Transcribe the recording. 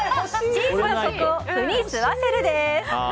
チーズのコクを麩に吸わせる！です。